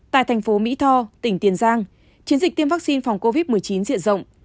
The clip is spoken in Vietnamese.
tại thành phố mỹ tho tỉnh tiền giang chiến dịch tiêm vaccine phòng covid một mươi chín diện rộng